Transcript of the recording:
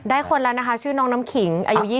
คนแล้วนะคะชื่อน้องน้ำขิงอายุ๒๐